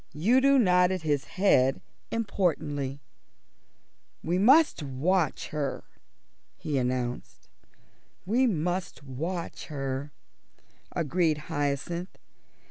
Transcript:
Udo nodded his head importantly. "We must watch her," he announced. "We must watch her," agreed Hyacinth.